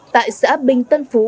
tại xã binh tân phú